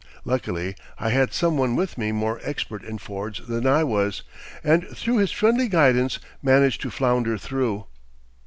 Luckily, I had some one with me more expert in fords than I was, and through his friendly guidance managed to flounder through.